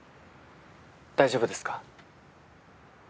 大丈夫ですか？